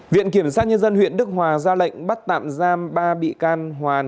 viện kiểm sát nhân dân huyện đức hòa ra lệnh bắt tạm giam ba bị can hoàn